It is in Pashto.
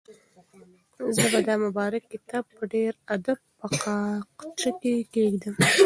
زه به دا مبارک کتاب په ډېر ادب په تاقچه کې کېږدم.